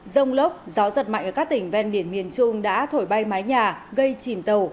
rông lốc gió giật mạnh ở các tỉnh ven biển miền trung đã thổi bay mái nhà gây chìm tàu